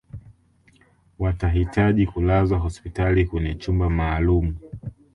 watahitaji kulazwa hospitali kwenye chumba maalum